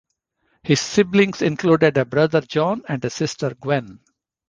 His siblings included a brother, John, and a sister Gwen.